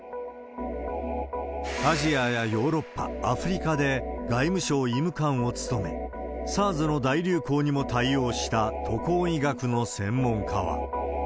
アジアやヨーロッパ、アフリカで外務省医務官を務め、ＳＡＲＳの大流行にも対応した渡航医学の専門家は。